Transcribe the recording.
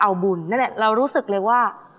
ช่วยฝังดินหรือกว่า